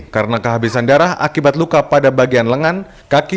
karena kehabisan darah akibat luka pada bagian lengan kaki